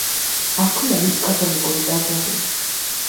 აქვე არის კათოლიკური ტაძარი.